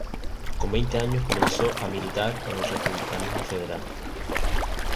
Con veinte años comenzó a militar en el republicanismo federal.